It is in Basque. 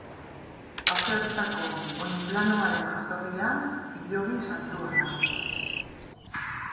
Aukeratutako oinplanoaren jatorria Hilobi santua da.